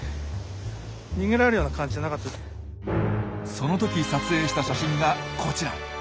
その時撮影した写真がこちら。